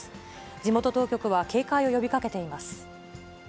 地元当局は警戒を呼びかけています。